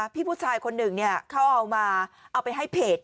ผู้ชายคนหนึ่งเขาเอามาเอาไปให้เพจ